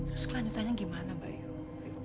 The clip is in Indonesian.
terus kelanjutannya gimana mbak yu